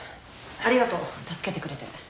ありがとう助けてくれて。